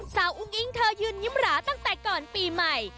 อุ้งอิงเธอยืนยิ้มหราตั้งแต่ก่อนปีใหม่